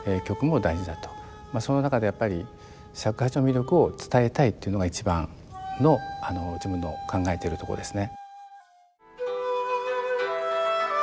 その中でやっぱり尺八の魅力を伝えたいっていうのが一番の自分の考えてるとこですね。